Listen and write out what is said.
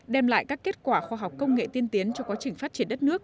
đem lại các kết quả khoa học công nghệ tiên tiến cho quá trình phát triển đất nước